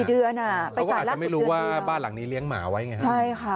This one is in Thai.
เขาก็อาจจะไม่รู้ว่าบ้านหลังนี้เลี้ยงหมาไว้ไงฮะใช่ค่ะ